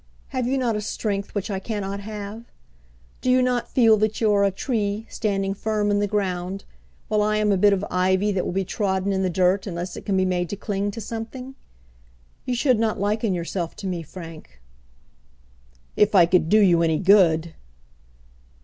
Have you not a strength which I cannot have? Do you not feel that you are a tree, standing firm in the ground, while I am a bit of ivy that will be trodden in the dirt unless it can be made to cling to something? You should not liken yourself to me, Frank." "If I could do you any good!"